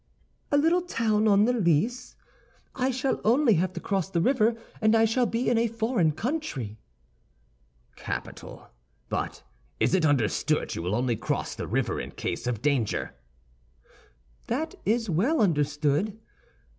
"A little town on the Lys; I shall only have to cross the river, and I shall be in a foreign country." "Capital! but it is understood you will only cross the river in case of danger." "That is well understood."